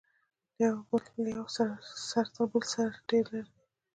له یوه سر تر بل سر ډیر لرې دی.